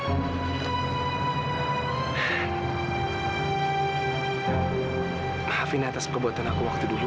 maafin atas perbuatan aku waktu dulu